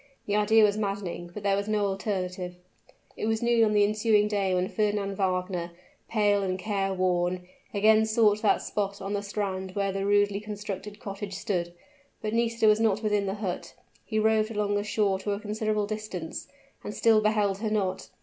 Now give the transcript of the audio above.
The idea was maddening, but there was no alternative. It was noon on the ensuing day when Fernand Wagner, pale and care worn, again sought that spot on the strand where the rudely constructed cottage stood; but Nisida was not within the hut. He roved along the shore to a considerable distance, and still beheld her not.